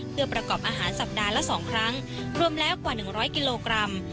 เพื่อประกอบอาหารสัปดาห์ละ๒ครั้งรวมแล้วกว่า๑๐๐กิโลกรัม